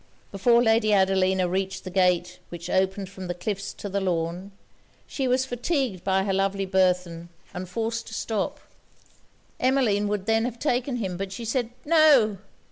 Before Lady Adelina reached the gate, which opened from the cliffs to the lawn, she was fatigued by her lovely burthen and forced to stop. Emmeline would then have taken him; but she said 'No!'